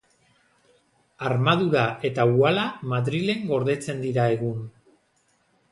Armadura eta uhala Madrilen gordetzen dira egun.